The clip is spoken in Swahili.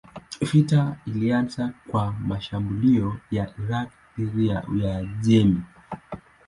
Vita ilianza kwa mashambulio ya Irak dhidi ya Uajemi.